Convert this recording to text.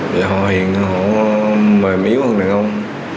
và họ hiện họ mềm yếu hơn đàn ông